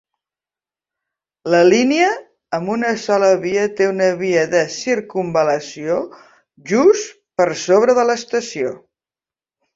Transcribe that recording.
La línia amb una sola via té una via de circumval·lació just per sobre de l'estació.